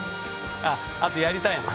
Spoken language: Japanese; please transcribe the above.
あっあとやりたいの？